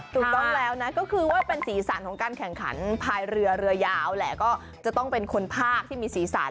ถูกต้องแล้วนะก็คือว่าเป็นสีสันของการแข่งขันภายเรือเรือยาวแหละก็จะต้องเป็นคนภาคที่มีสีสัน